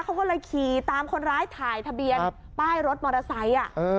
เขาก็เลยขี่ตามคนร้ายถ่ายทะเบียนป้ายรถมอเตอร์ไซค์